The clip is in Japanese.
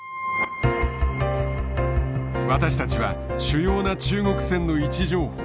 私たちは主要な中国船の位置情報